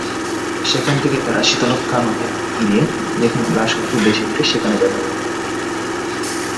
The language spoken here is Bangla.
সেখান থেকে তাঁরা শীতলক্ষ্যা নদীর তীরে যেখানে লাশগুলো ভেসে ওঠে সেখানে যাবেন।